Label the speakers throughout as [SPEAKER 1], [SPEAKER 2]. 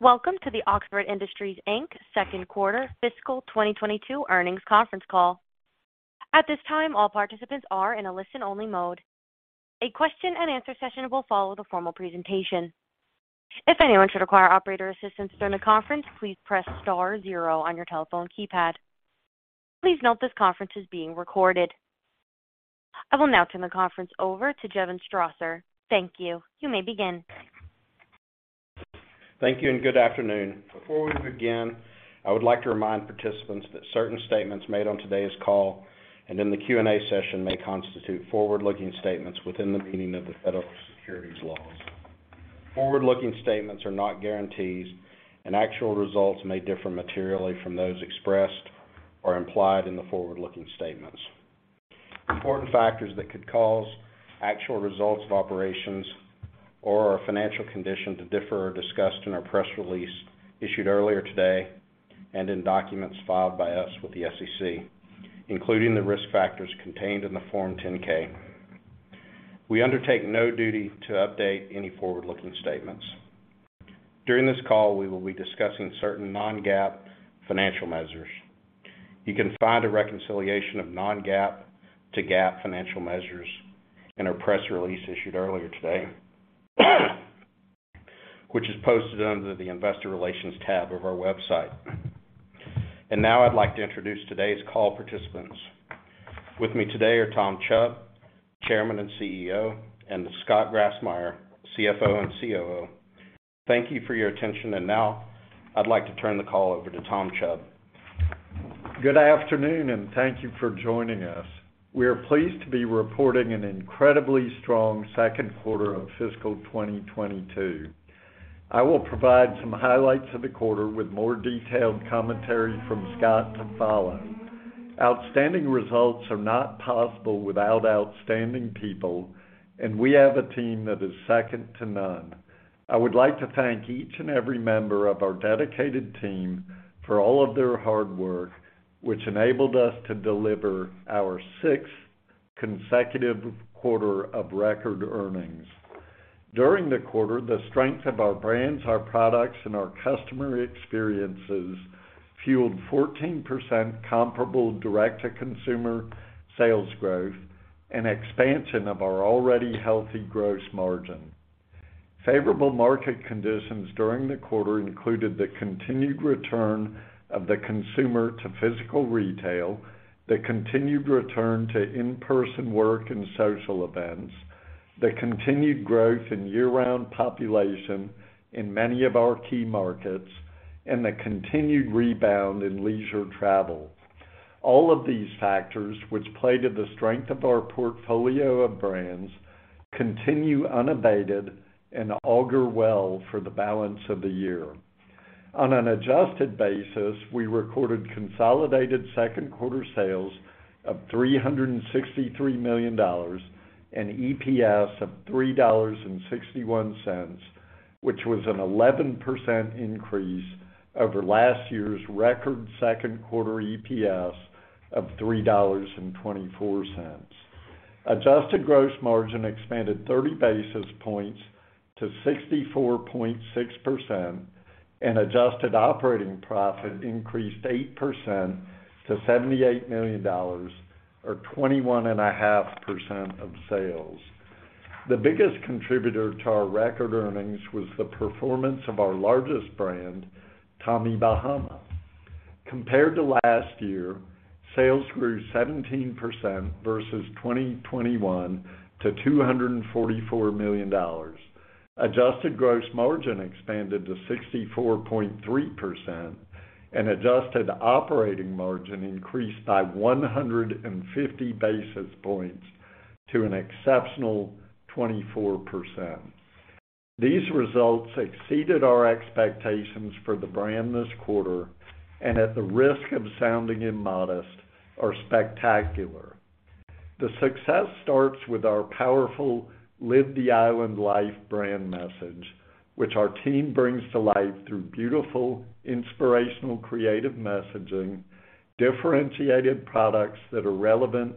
[SPEAKER 1] Welcome to the Oxford Industries, Inc. second quarter fiscal 2022 earnings conference call. At this time, all participants are in a listen-only mode. A question-and-answer session will follow the formal presentation. If anyone should require operator assistance during the conference, please press star zero on your telephone keypad. Please note this conference is being recorded. I will now turn the conference over to Jevon Strasser. Thank you. You may begin.
[SPEAKER 2] Thank you and good afternoon. Before we begin, I would like to remind participants that certain statements made on today's call and in the Q&A session may constitute forward-looking statements within the meaning of the federal securities laws. Forward-looking statements are not guarantees, and actual results may differ materially from those expressed or implied in the forward-looking statements. Important factors that could cause actual results of operations or our financial condition to differ are discussed in our press release issued earlier today and in documents filed by us with the SEC, including the risk factors contained in the Form 10-K. We undertake no duty to update any forward-looking statements. During this call, we will be discussing certain non-GAAP financial measures. You can find a reconciliation of non-GAAP to GAAP financial measures in our press release issued earlier today, which is posted under the Investor Relations tab of our website. Now I'd like to introduce today's call participants. With me today are Tom Chubb, Chairman and CEO, and Scott Grassmyer, CFO and COO. Thank you for your attention. Now I'd like to turn the call over to Tom Chubb.
[SPEAKER 3] Good afternoon, and thank you for joining us. We are pleased to be reporting an incredibly strong second quarter of fiscal 2022. I will provide some highlights of the quarter with more detailed commentary from Scott to follow. Outstanding results are not possible without outstanding people, and we have a team that is second to none. I would like to thank each and every member of our dedicated team for all of their hard work, which enabled us to deliver our sixth consecutive quarter of record earnings. During the quarter, the strength of our brands, our products, and our customer experiences fueled 14% comparable direct-to-consumer sales growth and expansion of our already healthy gross margin. Favorable market conditions during the quarter included the continued return of the consumer to physical retail, the continued return to in-person work and social events, the continued growth in year-round population in many of our key markets, and the continued rebound in leisure travel. All of these factors, which play to the strength of our portfolio of brands, continue unabated and augur well for the balance of the year. On an adjusted basis, we recorded consolidated second quarter sales of $363 million and EPS of $3.61, which was an 11% increase over last year's record second quarter EPS of $3.24. Adjusted gross margin expanded 30 basis points to 64.6%, and adjusted operating profit increased 8% to $78 million or 21.5% of sales. The biggest contributor to our record earnings was the performance of our largest brand, Tommy Bahama. Compared to last year, sales grew 17% versus 2021 to $244 million. Adjusted gross margin expanded to 64.3%, and adjusted operating margin increased by 150 basis points to an exceptional 24%. These results exceeded our expectations for the brand this quarter and at the risk of sounding immodest, are spectacular. The success starts with our powerful Live the Island Life brand message, which our team brings to life through beautiful, inspirational, creative messaging, differentiated products that are relevant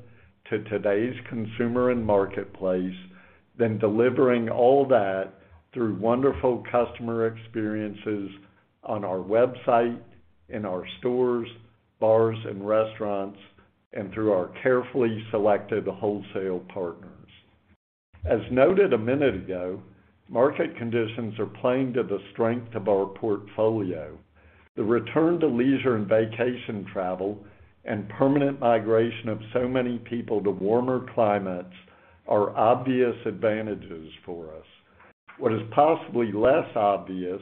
[SPEAKER 3] to today's consumer and marketplace, then delivering all that through wonderful customer experiences on our website, in our stores, bars and restaurants, and through our carefully selected wholesale partners. As noted a minute ago, market conditions are playing to the strength of our portfolio. The return to leisure and vacation travel and permanent migration of so many people to warmer climates are obvious advantages for us. What is possibly less obvious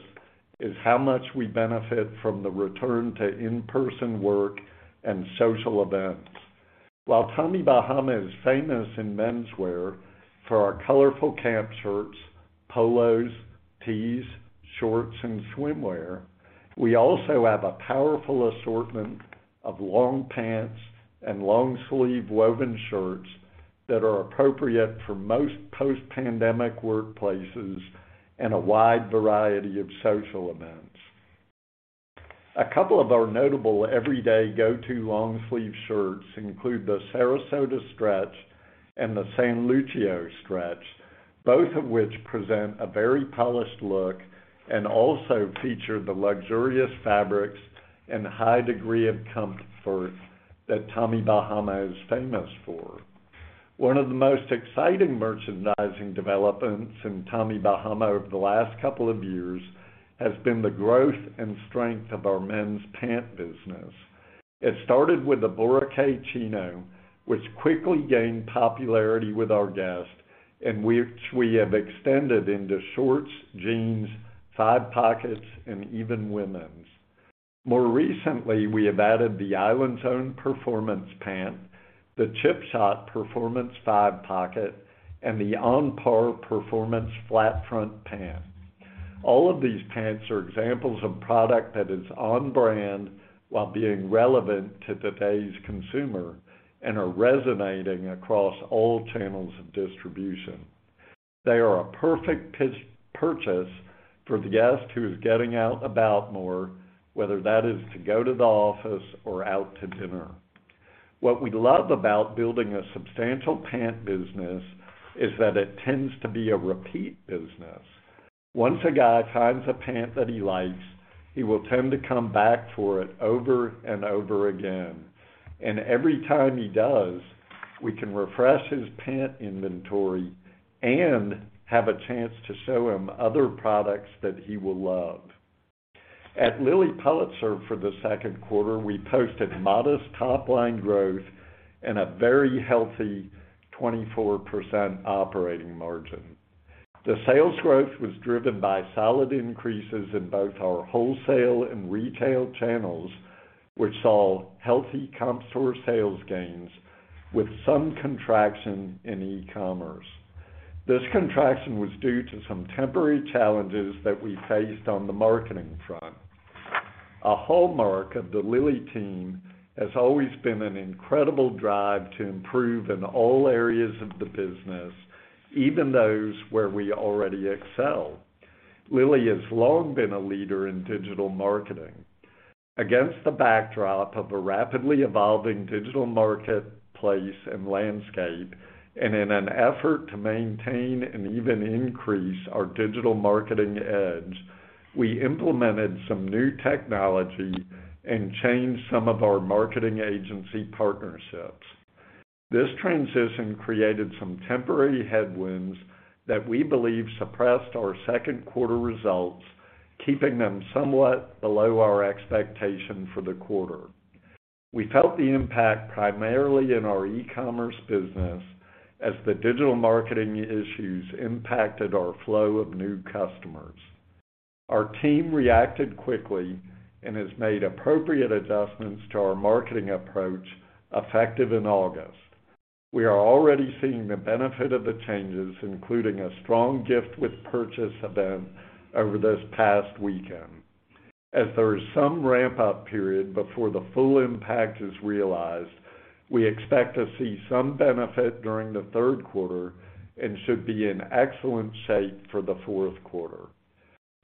[SPEAKER 3] is how much we benefit from the return to in-person work and social events. While Tommy Bahama is famous in menswear for our colorful camp shirts, polos, tees, shorts, and swimwear, we also have a powerful assortment of long pants and long sleeve woven shirts that are appropriate for most post-pandemic workplaces and a wide variety of social events. A couple of our notable everyday go-to long sleeve shirts include the Sarasota Stretch and the San Lucio Stretch, both of which present a very polished look and also feature the luxurious fabrics and high degree of comfort that Tommy Bahama is famous for. One of the most exciting merchandising developments in Tommy Bahama over the last couple of years has been the growth and strength of our men's pant business. It started with the Boracay Chino, which quickly gained popularity with our guests, and which we have extended into shorts, jeans, five pockets, and even women's. More recently, we have added the IslandZone performance pant, the Chip Shot performance five pocket, and the On Par performance flat front pant. All of these pants are examples of product that is on brand while being relevant to today's consumer and are resonating across all channels of distribution. They are a perfect pitch purchase for the guest who is getting out and about more, whether that is to go to the office or out to dinner. What we love about building a substantial pant business is that it tends to be a repeat business. Once a guy finds a pant that he likes, he will tend to come back for it over and over again. Every time he does, we can refresh his pant inventory and have a chance to show him other products that he will love. At Lilly Pulitzer for the second quarter, we posted modest top-line growth and a very healthy 24% operating margin. The sales growth was driven by solid increases in both our wholesale and retail channels, which saw healthy comp store sales gains with some contraction in e-commerce. This contraction was due to some temporary challenges that we faced on the marketing front. A hallmark of the Lilly team has always been an incredible drive to improve in all areas of the business, even those where we already excel. Lilly has long been a leader in digital marketing. Against the backdrop of a rapidly evolving digital marketplace and landscape, and in an effort to maintain and even increase our digital marketing edge, we implemented some new technology and changed some of our marketing agency partnerships. This transition created some temporary headwinds that we believe suppressed our second quarter results, keeping them somewhat below our expectation for the quarter. We felt the impact primarily in our e-commerce business as the digital marketing issues impacted our flow of new customers. Our team reacted quickly and has made appropriate adjustments to our marketing approach effective in August. We are already seeing the benefit of the changes, including a strong gift with purchase event over this past weekend. As there is some ramp-up period before the full impact is realized, we expect to see some benefit during the third quarter and should be in excellent shape for the fourth quarter.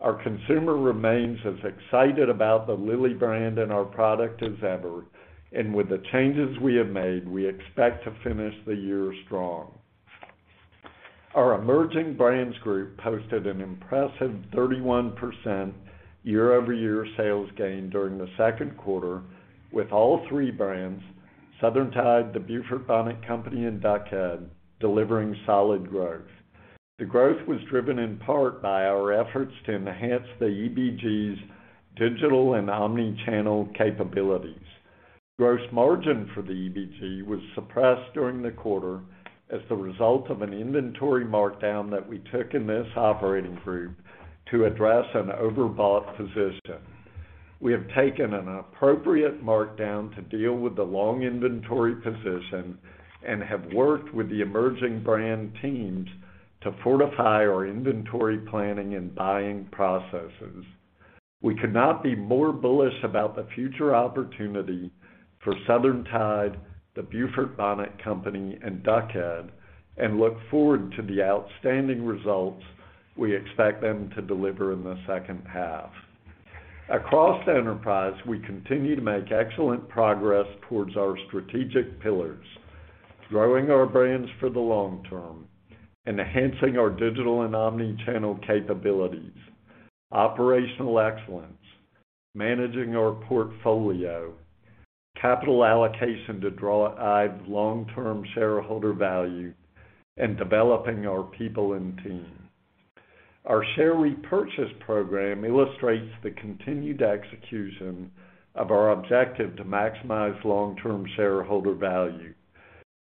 [SPEAKER 3] Our consumer remains as excited about the Lilly Pulitzer brand and our product as ever, and with the changes we have made, we expect to finish the year strong. Our Emerging Brands Group posted an impressive 31% year-over-year sales gain during the second quarter with all three brands, Southern Tide, The Beaufort Bonnet Company, and Duck Head, delivering solid growth. The growth was driven in part by our efforts to enhance the EBG's digital and omni-channel capabilities. Gross margin for the EBG was suppressed during the quarter as the result of an inventory markdown that we took in this operating group to address an overbought position. We have taken an appropriate markdown to deal with the long inventory position and have worked with the emerging brand teams to fortify our inventory planning and buying processes. We could not be more bullish about the future opportunity for Southern Tide, The Beaufort Bonnet Company, and Duck Head, and look forward to the outstanding results we expect them to deliver in the second half. Across the enterprise, we continue to make excellent progress towards our strategic pillars, growing our brands for the long term, enhancing our digital and omni-channel capabilities, operational excellence, managing our portfolio, capital allocation to drive long-term shareholder value, and developing our people and team. Our share repurchase program illustrates the continued execution of our objective to maximize long-term shareholder value.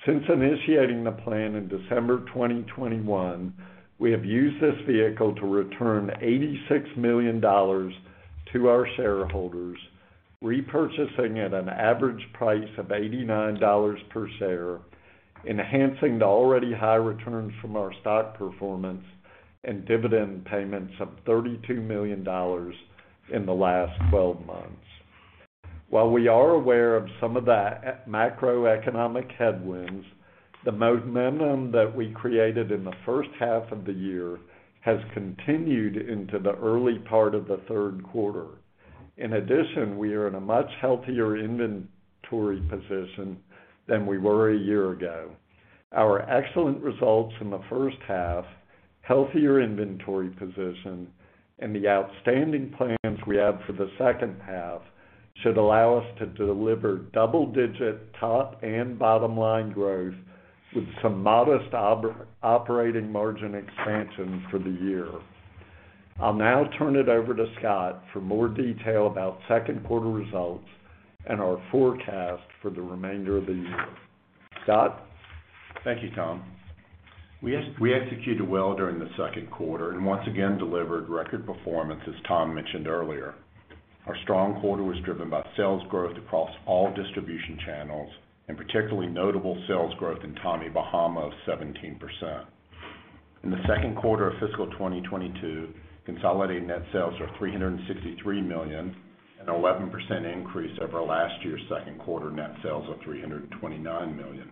[SPEAKER 3] Since initiating the plan in December 2021, we have used this vehicle to return $86 million to our shareholders, repurchasing at an average price of $89 per share, enhancing the already high returns from our stock performance and dividend payments of $32 million in the last 12 months. While we are aware of some of the macroeconomic headwinds, the momentum that we created in the first half of the year has continued into the early part of the third quarter. In addition, we are in a much healthier inventory position than we were a year ago. Our excellent results from the first half, healthier inventory position, and the outstanding plans we have for the second half should allow us to deliver double-digit top and bottom-line growth with some modest operating margin expansion for the year. I'll now turn it over to Scott for more detail about second quarter results and our forecast for the remainder of the year. Scott?
[SPEAKER 4] Thank you, Tom. We executed well during the second quarter and once again delivered record performance, as Tom mentioned earlier. Our strong quarter was driven by sales growth across all distribution channels, and particularly notable sales growth in Tommy Bahama of 17%. In the second quarter of fiscal 2022, consolidated net sales are $363 million, an 11% increase over last year's second quarter net sales of $329 million.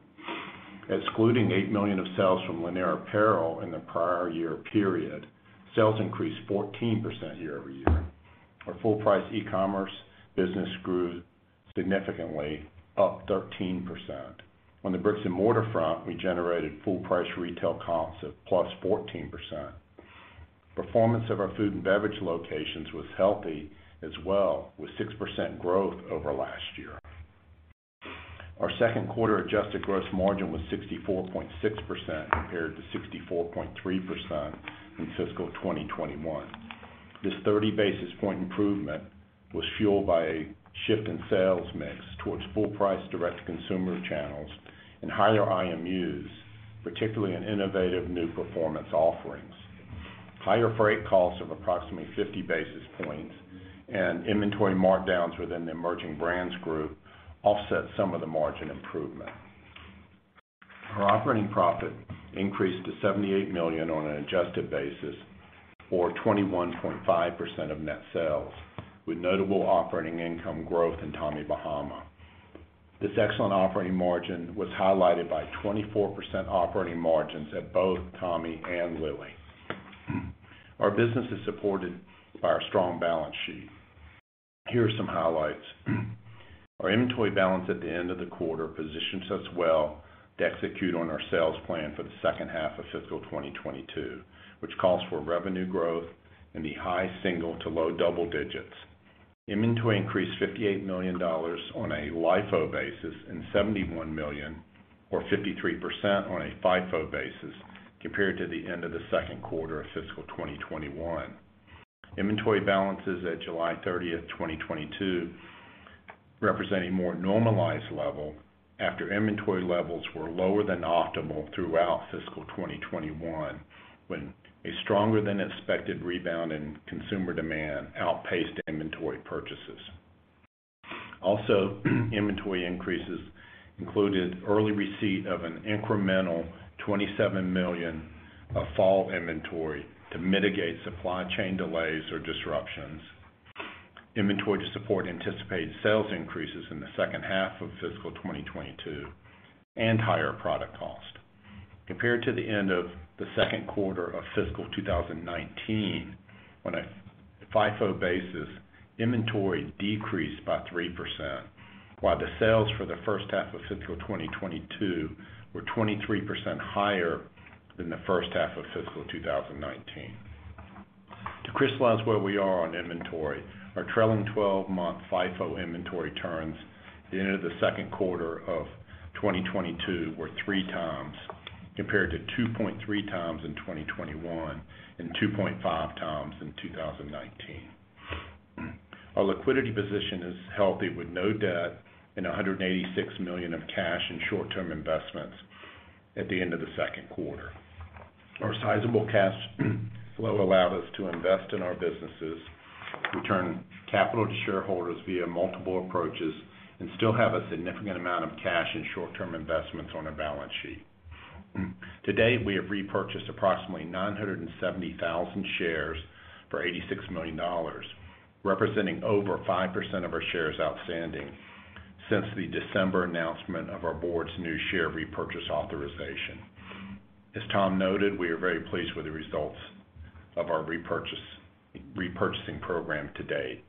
[SPEAKER 4] Excluding $8 million of sales from Lanier Clothes in the prior year period, sales increased 14% year-over-year. Our full-price e-commerce business grew significantly, up 13%. On the brick-and-mortar front, we generated full price retail comps of +14%. Performance of our food and beverage locations was healthy as well, with 6% growth over last year. Our second quarter adjusted gross margin was 64.6% compared to 64.3% in fiscal 2021. This 30 basis point improvement was fueled by a shift in sales mix towards full-price direct-to-consumer channels and higher IMU, particularly in innovative new performance offerings. Higher freight costs of approximately 50 basis points and inventory markdowns within the emerging brands group offset some of the margin improvement. Our operating profit increased to $78 million on an adjusted basis, or 21.5% of net sales, with notable operating income growth in Tommy Bahama. This excellent operating margin was highlighted by 24% operating margins at both Tommy and Lilly. Our business is supported by our strong balance sheet. Here are some highlights. Our inventory balance at the end of the quarter positions us well to execute on our sales plan for the second half of fiscal 2022, which calls for revenue growth in the high single- to low double-digit. Inventory increased $58 million on a LIFO basis and $71 million, or 53% on a FIFO basis compared to the end of the second quarter of fiscal 2021. Inventory balances at July 30, 2022 represent a more normalized level after inventory levels were lower than optimal throughout fiscal 2021, when a stronger than expected rebound in consumer demand outpaced inventory purchases. Also, inventory increases included early receipt of an incremental $27 million of fall inventory to mitigate supply chain delays or disruptions, inventory to support anticipated sales increases in the second half of fiscal 2022, and higher product cost. Compared to the end of the second quarter of fiscal 2019, on a FIFO basis, inventory decreased by 3%, while the sales for the first half of fiscal 2022 were 23% higher than the first half of fiscal 2019. To crystallize where we are on inventory, our trailing 12-month FIFO inventory turns at the end of the second quarter of 2022 were 3x, compared to 2.3x in 2021 and 2.5x in 2019. Our liquidity position is healthy with no debt and $186 million of cash and short-term investments at the end of the second quarter. Our sizable cash flow allowed us to invest in our businesses, return capital to shareholders via multiple approaches, and still have a significant amount of cash and short-term investments on our balance sheet. To date, we have repurchased approximately 970,000 shares for $86 million, representing over 5% of our shares outstanding since the December announcement of our board's new share repurchase authorization. As Tom noted, we are very pleased with the results of our repurchasing program to date.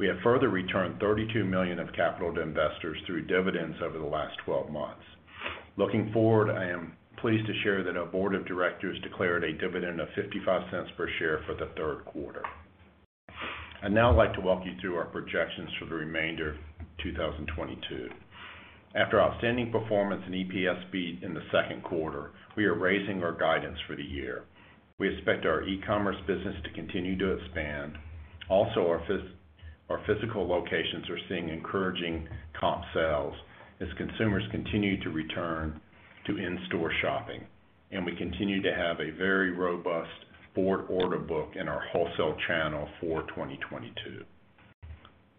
[SPEAKER 4] We have further returned $32 million of capital to investors through dividends over the last 12 months. Looking forward, I am pleased to share that our board of directors declared a dividend of $0.55 per share for the third quarter. I'd now like to walk you through our projections for the remainder of 2022. After outstanding performance and EPS in the second quarter, we are raising our guidance for the year. We expect our e-commerce business to continue to expand. Also, our physical locations are seeing encouraging comp sales as consumers continue to return to in-store shopping, and we continue to have a very robust broad order book in our wholesale channel for 2022.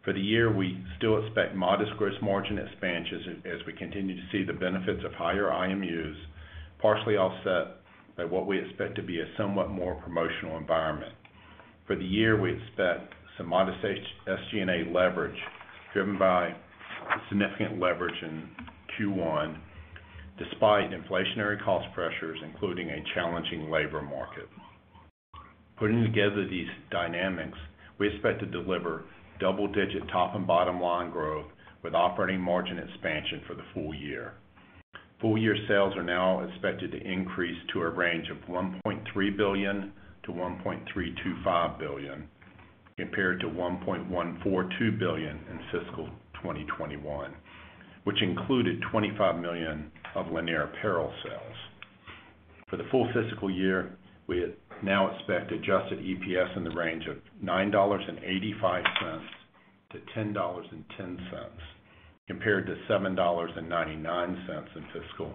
[SPEAKER 4] For the year, we still expect modest gross margin expansions as we continue to see the benefits of higher IMU, partially offset by what we expect to be a somewhat more promotional environment. For the year, we expect some modest SG&A leverage driven by significant leverage in Q1 despite inflationary cost pressures, including a challenging labor market. Putting together these dynamics, we expect to deliver double-digit top and bottom line growth with operating margin expansion for the full year. Full year sales are now expected to increase to a range of $1.3 billion-$1.325 billion, compared to $1.142 billion in fiscal 2021, which included $25 million of Lanier Clothes sales. For the full fiscal year, we now expect adjusted EPS in the range of $9.85-$10.10, compared to $7.99 in fiscal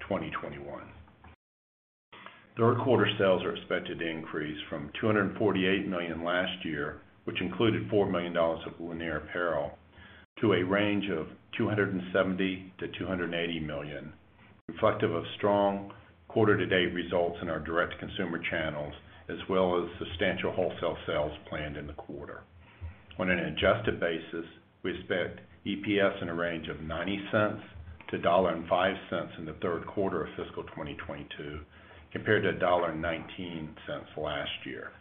[SPEAKER 4] 2021. Third quarter sales are expected to increase from $248 million last year, which included $4 million of Lanier Clothes, to a range of $270 million-$280 million, reflective of strong quarter-to-date results in our direct-to-consumer channels as well as substantial wholesale sales planned in the quarter. On an adjusted basis, we expect EPS in a range of $0.90-$1.05 in the third quarter of fiscal 2022 compared to $1.19 last year.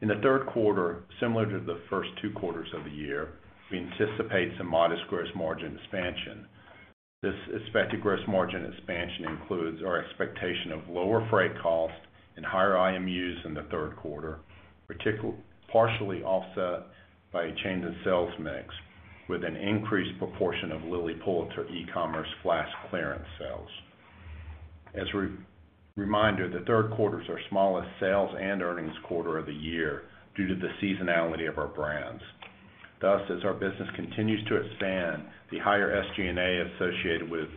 [SPEAKER 4] In the third quarter, similar to the first two quarters of the year, we anticipate some modest gross margin expansion. This expected gross margin expansion includes our expectation of lower freight costs and higher IMU in the third quarter, partially offset by a change in sales mix with an increased proportion of Lilly Pulitzer e-commerce flash clearance sales. As reminder, the third quarter is our smallest sales and earnings quarter of the year due to the seasonality of our brands. Thus, as our business continues to expand, the higher SG&A associated with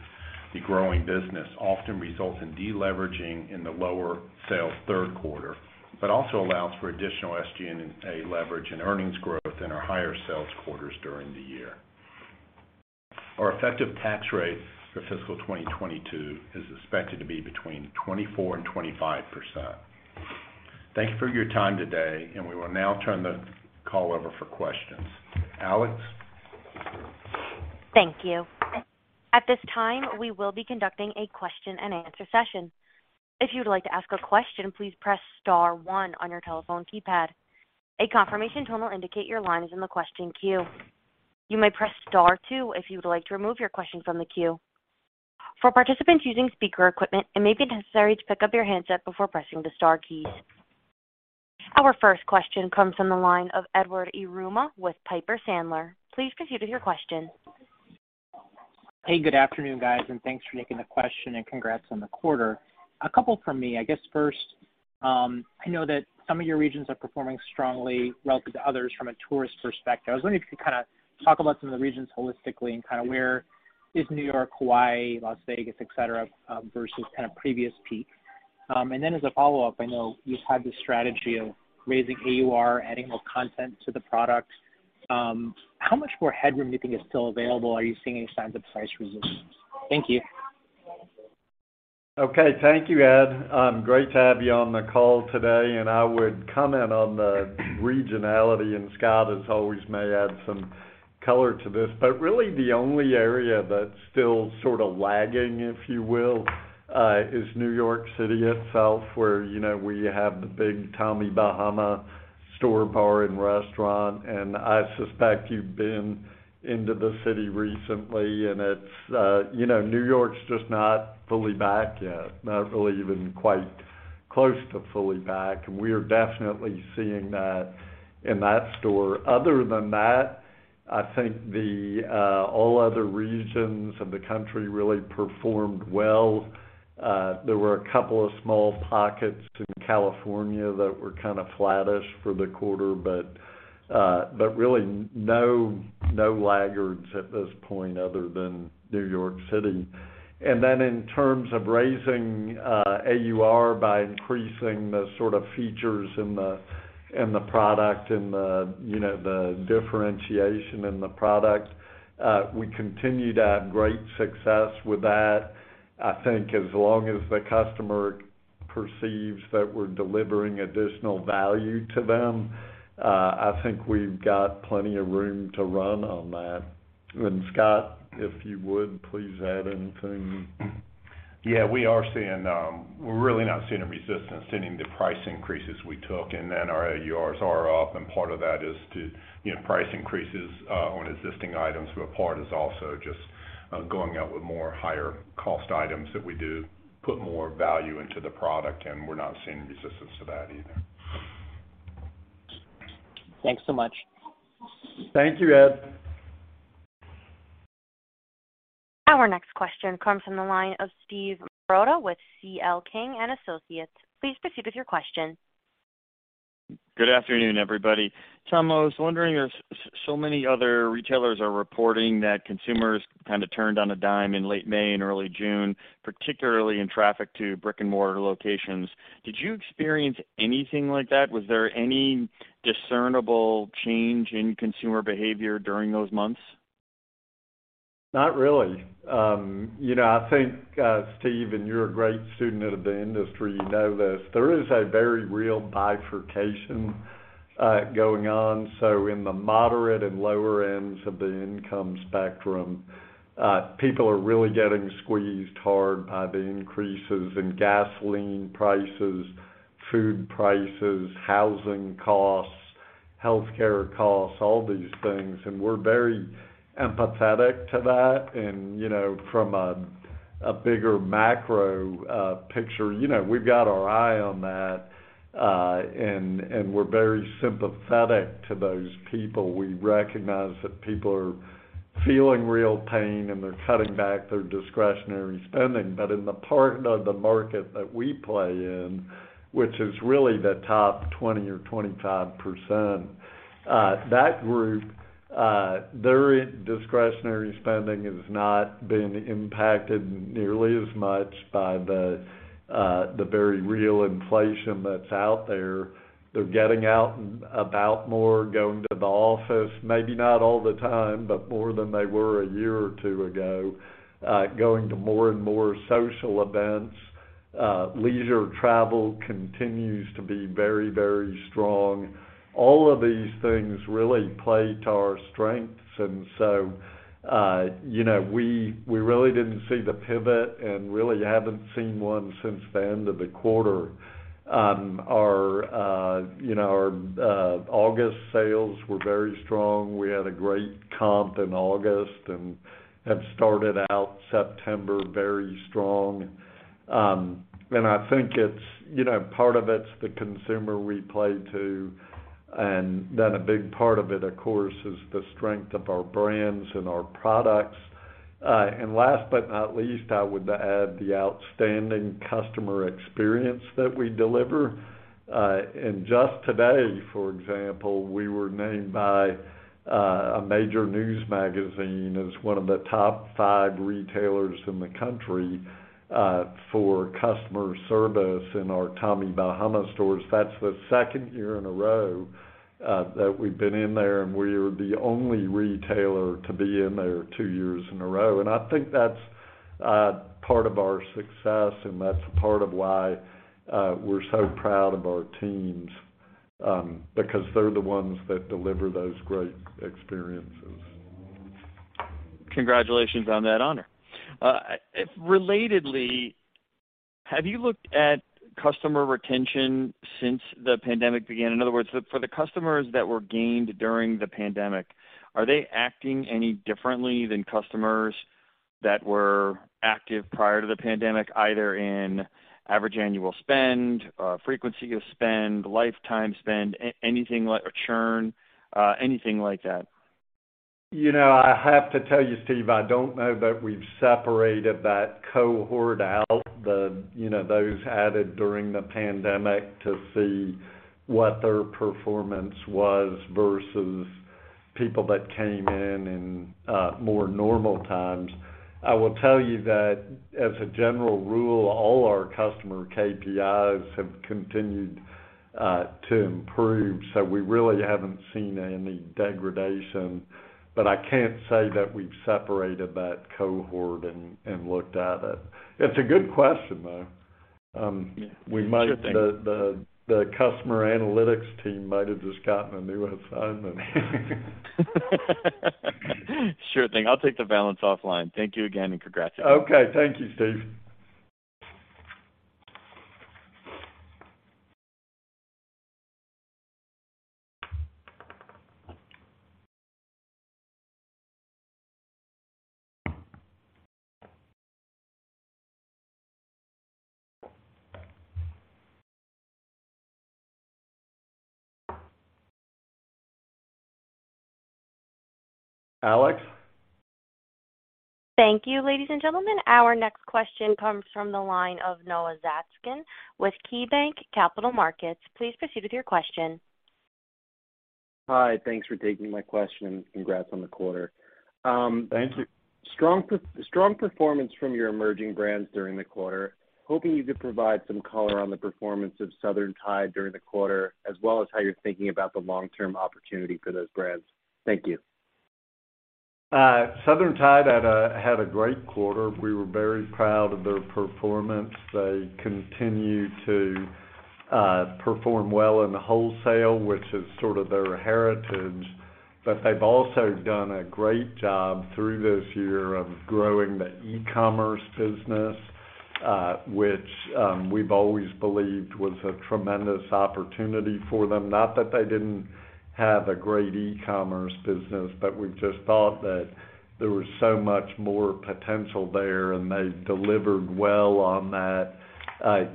[SPEAKER 4] the growing business often results in deleveraging in the lower sales third quarter, but also allows for additional SG&A leverage and earnings growth in our higher sales quarters during the year. Our effective tax rate for fiscal 2022 is expected to be between 24% and 25%. Thank you for your time today, and we will now turn the call over for questions. Alex?
[SPEAKER 1] Thank you. At this time, we will be conducting a question and answer session. If you'd like to ask a question, please press star one on your telephone keypad. A confirmation tone will indicate your line is in the question queue. You may press star two if you would like to remove your question from the queue. For participants using speaker equipment, it may be necessary to pick up your handset before pressing the star keys. Our first question comes from the line of Edward Yruma with Piper Sandler. Please proceed with your question.
[SPEAKER 5] Hey, good afternoon, guys, and thanks for taking the question and congrats on the quarter. A couple from me. I guess first, I know that some of your regions are performing strongly relative to others from a tourist perspective. I was wondering if you could kinda talk about some of the regions holistically and kinda where is New York, Hawaii, Las Vegas, etc, versus kind of previous peak. As a follow-up, I know you've had this strategy of raising AUR, adding more content to the products. How much more headroom do you think is still available? Are you seeing any signs of price resistance? Thank you.
[SPEAKER 3] Okay. Thank you, Ed. Great to have you on the call today, and I would comment on the regionality, and Scott, as always, may add some color to this. But really the only area that's still sort of lagging, if you will, is New York City itself, where, you know, we have the big Tommy Bahama store, bar, and restaurant. I suspect you've been into the city recently, and it's, you know, New York's just not fully back yet, not really even quite close to fully back. We are definitely seeing that in that store. Other than that, I think the all other regions of the country really performed well. There were a couple of small pockets in California that were kinda flattish for the quarter, but really no laggards at this point other than New York City. In terms of raising AUR by increasing the sort of features in the product and you know the differentiation in the product, we continue to have great success with that. I think as long as the customer perceives that we're delivering additional value to them, I think we've got plenty of room to run on that. Scott, if you would, please add anything.
[SPEAKER 4] Yeah, we're really not seeing a resistance in the price increases we took, and then our AURs are up, and part of that is to, you know, price increases on existing items, but part is also just going out with more higher cost items that we do put more value into the product, and we're not seeing resistance to that either.
[SPEAKER 5] Thanks so much.
[SPEAKER 3] Thank you, Ed.
[SPEAKER 1] Our next question comes from the line of Steven Marotta with C.L. King & Associates. Please proceed with your question.
[SPEAKER 6] Good afternoon, everybody. Tom, I was wondering if so many other retailers are reporting that consumers kind of turned on a dime in late May and early June, particularly in traffic to brick-and-mortar locations. Did you experience anything like that? Was there any discernible change in consumer behavior during those months?
[SPEAKER 3] Not really. You know, I think, Steve, and you're a great student of the industry, you know this, there is a very real bifurcation going on. In the moderate and lower ends of the income spectrum, people are really getting squeezed hard by the increases in gasoline prices, food prices, housing costs, healthcare costs, all these things, and we're very empathetic to that. You know, from a bigger macro picture, you know, we've got our eye on that, and we're very sympathetic to those people. We recognize that people are feeling real pain, and they're cutting back their discretionary spending. In the part of the market that we play in, which is really the top 20% or 25%, that group, their discretionary spending has not been impacted nearly as much by the very real inflation that's out there. They're getting out and about more, going to the office, maybe not all the time, but more than they were a year or two ago, going to more and more social events. Leisure travel continues to be very, very strong. All of these things really play to our strengths. You know, we really didn't see the pivot and really haven't seen one since the end of the quarter. You know, our August sales were very strong. We had a great comp in August and have started out September very strong. I think it's, you know, part of it's the consumer we play to, and then a big part of it, of course, is the strength of our brands and our products. Last but not least, I would add the outstanding customer experience that we deliver. Just today, for example, we were named by a major news magazine as one of the top five retailers in the country for customer service in our Tommy Bahama stores. That's the second year in a row that we've been in there, and we are the only retailer to be in there two years in a row. I think that's part of our success, and that's part of why we're so proud of our teams, because they're the ones that deliver those great experiences.
[SPEAKER 6] Congratulations on that honor. Relatedly, have you looked at customer retention since the pandemic began? In other words, for the customers that were gained during the pandemic, are they acting any differently than customers that were active prior to the pandemic, either in average annual spend, frequency of spend, lifetime spend, anything like or churn, anything like that?
[SPEAKER 3] You know, I have to tell you, Steve, I don't know that we've separated that cohort out, the, you know, those added during the pandemic to see what their performance was versus people that came in in more normal times. I will tell you that as a general rule, all our customer KPIs have continued to improve, so we really haven't seen any degradation. I can't say that we've separated that cohort and looked at it. It's a good question, though. We might.
[SPEAKER 6] Sure thing.
[SPEAKER 3] The customer analytics team might have just gotten a new assignment.
[SPEAKER 6] Sure thing. I'll take the balance offline. Thank you again, and congratulations.
[SPEAKER 3] Okay. Thank you, Steve. Alex?
[SPEAKER 1] Thank you, ladies and gentlemen. Our next question comes from the line of Noah Zatzkin with KeyBanc Capital Markets. Please proceed with your question.
[SPEAKER 7] Hi. Thanks for taking my question, and congrats on the quarter.
[SPEAKER 3] Thank you.
[SPEAKER 7] Strong performance from your emerging brands during the quarter. Hoping you could provide some color on the performance of Southern Tide during the quarter, as well as how you're thinking about the long-term opportunity for those brands. Thank you.
[SPEAKER 3] Southern Tide had a great quarter. We were very proud of their performance. They continue to perform well in the wholesale, which is sort of their heritage, but they've also done a great job through this year of growing the e-commerce business, which we've always believed was a tremendous opportunity for them. Not that they didn't have a great e-commerce business, but we just thought that there was so much more potential there, and they delivered well on that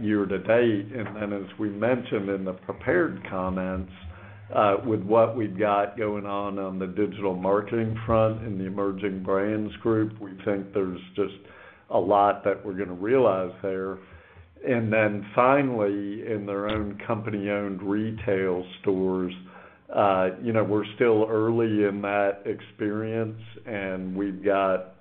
[SPEAKER 3] year-to-date. As we mentioned in the prepared comments, with what we've got going on the digital marketing front in the emerging brands group, we think there's just a lot that we're gonna realize there. Finally, in their own company-owned retail stores, you know, we're still early in that experience, and we've got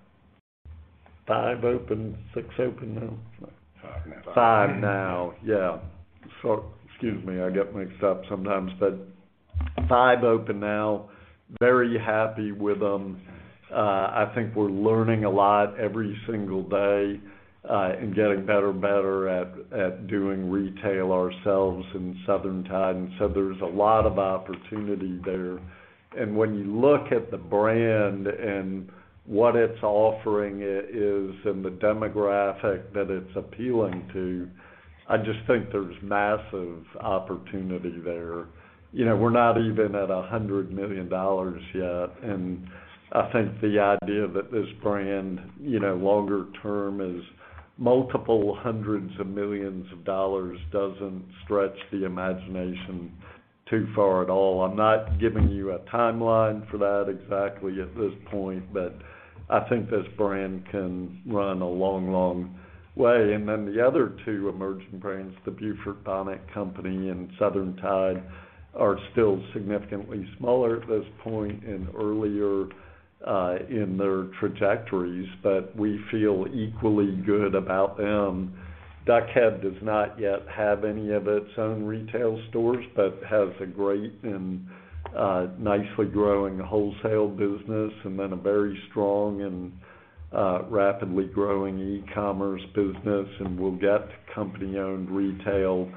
[SPEAKER 3] five open, six open now?
[SPEAKER 4] Five now.
[SPEAKER 3] Five now. Excuse me, I get mixed up sometimes, but five open now. Very happy with them. I think we're learning a lot every single day, and getting better at doing retail ourselves in Southern Tide. There's a lot of opportunity there. When you look at the brand and what it's offering is and the demographic that it's appealing to, I just think there's massive opportunity there. You know, we're not even at $100 million yet, and I think the idea that this brand, you know, longer term is multiple hundreds of millions of dollars doesn't stretch the imagination too far at all. I'm not giving you a timeline for that exactly at this point, but I think this brand can run a long, long way. The other two emerging brands, The Beaufort Bonnet Company and Southern Tide, are still significantly smaller at this point and earlier in their trajectories, but we feel equally good about them. Duck Head does not yet have any of its own retail stores, but has a great and nicely growing wholesale business, and then a very strong and rapidly growing e-commerce business. We'll get to company-owned retail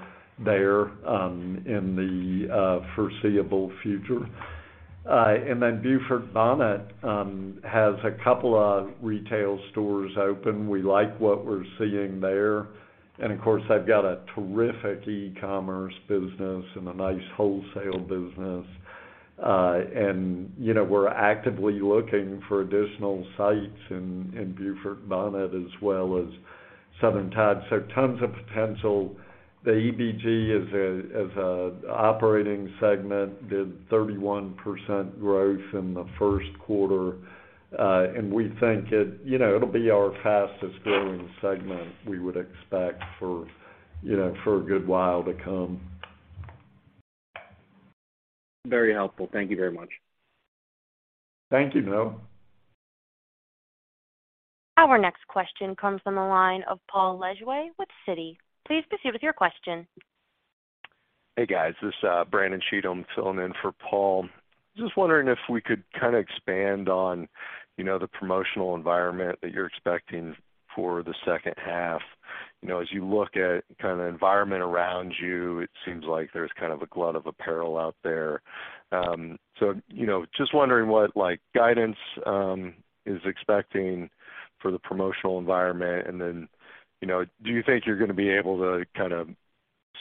[SPEAKER 3] there in the foreseeable future. Beaufort Bonnet has a couple of retail stores open. We like what we're seeing there. Of course, they've got a terrific e-commerce business and a nice wholesale business. You know, we're actively looking for additional sites in Beaufort Bonnet as well as Southern Tide, so tons of potential. The EBG as a operating segment did 31% growth in the first quarter. We think it, you know, it'll be our fastest growing segment, we would expect for, you know, for a good while to come.
[SPEAKER 7] Very helpful. Thank you very much.
[SPEAKER 3] Thank you, Noah.
[SPEAKER 1] Our next question comes from the line of Paul Lejuez with Citi. Please proceed with your question.
[SPEAKER 8] Hey, guys, this is Brandon Cheatham filling in for Paul. Just wondering if we could kind of expand on, you know, the promotional environment that you're expecting for the second half. You know, as you look at kind of the environment around you, it seems like there's kind of a glut of apparel out there. You know, just wondering what, like, guidance is expecting for the promotional environment. You know, do you think you're gonna be able to kind of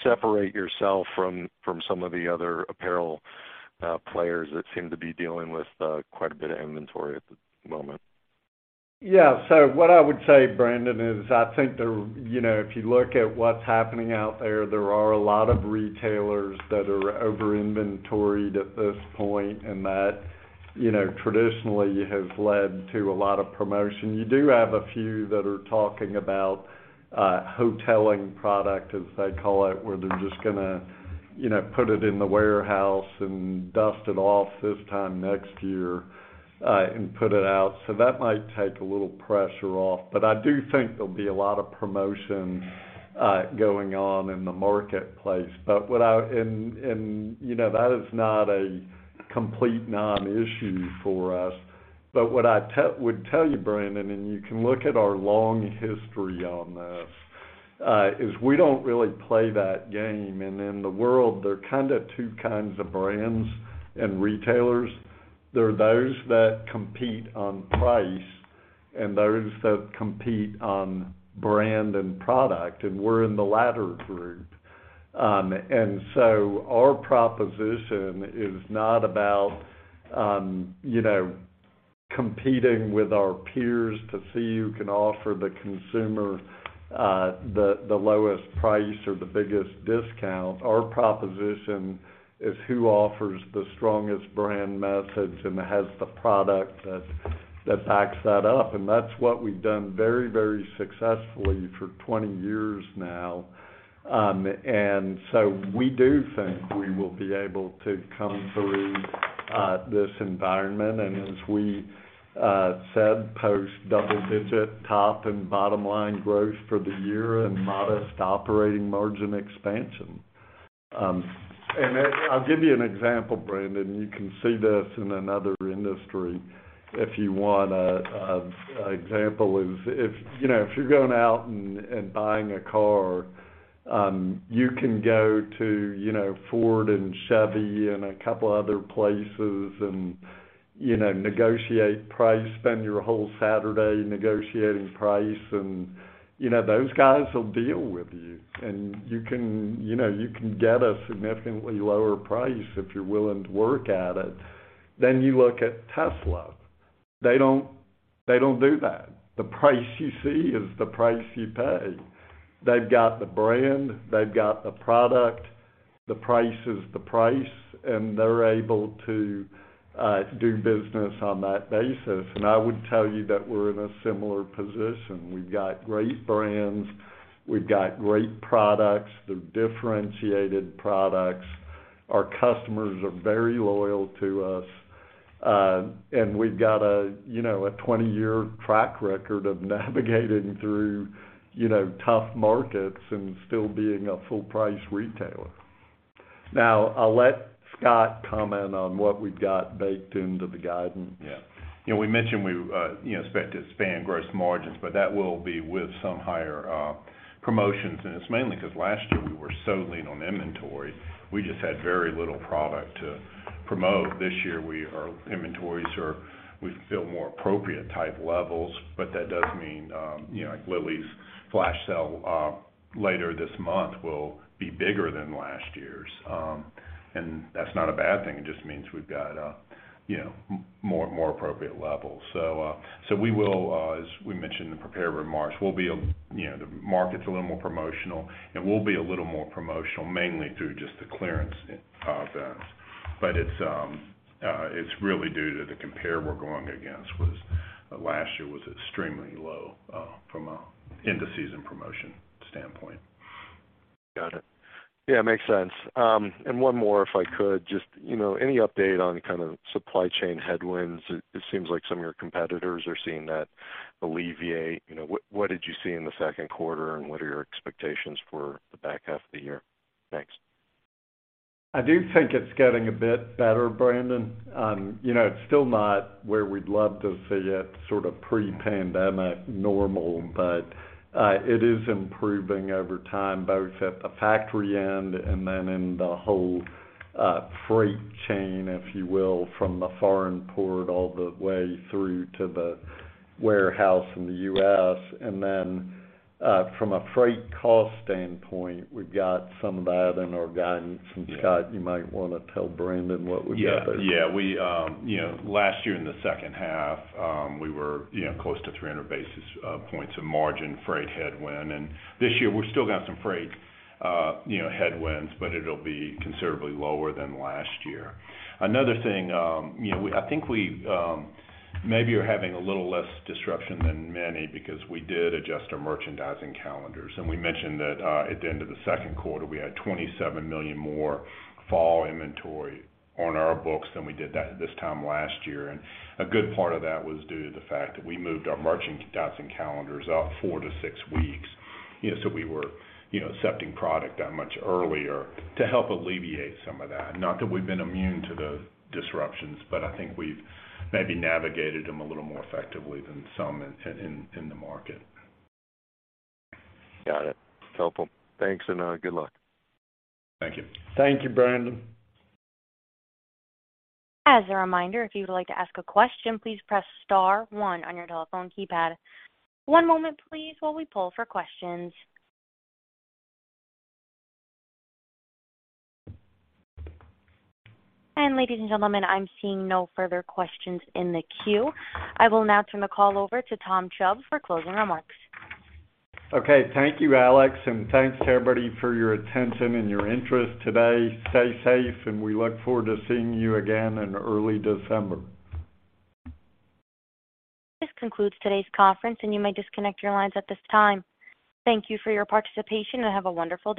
[SPEAKER 8] separate yourself from some of the other apparel players that seem to be dealing with quite a bit of inventory at the moment?
[SPEAKER 3] Yeah. What I would say, Brandon, is I think you know, if you look at what's happening out there are a lot of retailers that are over-inventoried at this point, and that, you know, traditionally has led to a lot of promotion. You do have a few that are talking about hoteling product, as they call it, where they're just gonna, you know, put it in the warehouse and dust it off this time next year and put it out. That might take a little pressure off. I do think there'll be a lot of promotion going on in the marketplace. You know, that is not a complete non-issue for us. What I would tell you, Brandon, and you can look at our long history on this is we don't really play that game. In the world, there are kind of two kinds of brands and retailers. There are those that compete on price and those that compete on brand and product, and we're in the latter group. Our proposition is not about, you know, competing with our peers to see who can offer the consumer the lowest price or the biggest discount. Our proposition is who offers the strongest brand message and has the product that backs that up, and that's what we've done very, very successfully for 20 years now. We do think we will be able to come through this environment. As we said, posted double-digit top and bottom line growth for the year and modest operating margin expansion. I'll give you an example, Brandon. You can see this in another industry if you want. An example is if you're going out and buying a car, you can go to Ford and Chevrolet and a couple other places and negotiate price, spend your whole Saturday negotiating price, those guys will deal with you. You can get a significantly lower price if you're willing to work at it. You look at Tesla. They don't do that. The price you see is the price you pay. They've got the brand. They've got the product. The price is the price, and they're able to do business on that basis. I would tell you that we're in a similar position. We've got great brands. We've got great products. They're differentiated products. Our customers are very loyal to us. We've got a, you know, a 20-year track record of navigating through, you know, tough markets and still being a full-price retailer. Now, I'll let Scott comment on what we've got baked into the guidance.
[SPEAKER 4] Yeah. You know, we mentioned we, you know, expect to expand gross margins, but that will be with some higher promotions. It's mainly because last year we were so lean on inventory, we just had very little product to promote. This year our inventories are, we feel, more appropriate type levels, but that does mean, you know, like, Lilly Pulitzer's flash sale later this month will be bigger than last year's. That's not a bad thing. It just means we've got, you know, more and more appropriate levels. We will, as we mentioned in the prepared remarks, we'll be a, you know, the market's a little more promotional, and we'll be a little more promotional mainly through just the clearance events. It's really due to the comp we're going against with last year was extremely low from an end-of-season promotion standpoint.
[SPEAKER 8] Got it. Yeah, makes sense. One more, if I could. Just, you know, any update on kind of supply chain headwinds? It seems like some of your competitors are seeing that alleviate. You know, what did you see in the second quarter, and what are your expectations for the back half of the year? Thanks.
[SPEAKER 3] I do think it's getting a bit better, Brandon. You know, it's still not where we'd love to see it sort of pre-pandemic normal, but it is improving over time, both at the factory end and then in the whole, freight chain, if you will, from the foreign port all the way through to the warehouse in the US. From a freight cost standpoint, we've got some of that in our guidance. Scott, you might wanna tell Brandon what we've got there.
[SPEAKER 4] Yeah. We, you know, last year in the second half, we were, you know, close to 300 basis points of margin freight headwind. This year we've still got some freight, you know, headwinds, but it'll be considerably lower than last year. Another thing, you know, I think we maybe are having a little less disruption than many because we did adjust our merchandising calendars. We mentioned that, at the end of the second quarter, we had 27 million more fall inventory on our books than we did this time last year. A good part of that was due to the fact that we moved our merchandising calendars up 4-6 weeks, you know, so we were, you know, accepting product that much earlier to help alleviate some of that. Not that we've been immune to those disruptions, but I think we've maybe navigated them a little more effectively than some in the market.
[SPEAKER 8] Got it. Helpful. Thanks and good luck.
[SPEAKER 4] Thank you.
[SPEAKER 3] Thank you, Brandon.
[SPEAKER 1] As a reminder, if you would like to ask a question, please press star one on your telephone keypad. One moment, please, while we poll for questions. Ladies and gentlemen, I'm seeing no further questions in the queue. I will now turn the call over to Tom Chubb for closing remarks.
[SPEAKER 3] Okay. Thank you, Alex, and thanks to everybody for your attention and your interest today. Stay safe, and we look forward to seeing you again in early December.
[SPEAKER 1] This concludes today's conference, and you may disconnect your lines at this time. Thank you for your participation, and have a wonderful day.